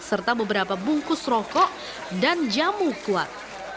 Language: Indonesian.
serta beberapa bungkus rokok dan jamu kuat